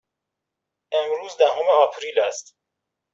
امروز دهم آپریل است.